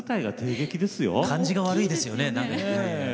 感じが悪いですよね。